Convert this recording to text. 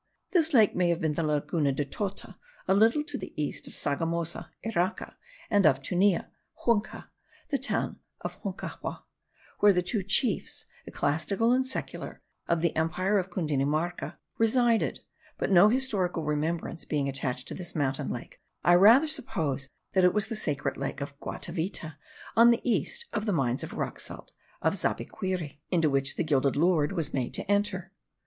This lake may have been the Laguna de Totta, a little to the east of Sogamozo (Iraca) and of Tunja (Hunca, the town of Huncahua), where two chiefs, ecclesiastical and secular, of the empire of Cundinamarca, or Cundirumarca, resided; but no historical remembrance being attached to this mountain lake, I rather suppose that it was the sacred lake of Guatavita, on the east of the mines of rock salt of Zipaquira, into which the gilded lord was made to enter.